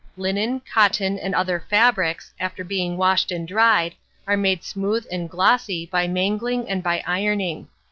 Linen, cotton, and other fabrics, after being washed and dried, are made smooth and glossy by mangling and by ironing.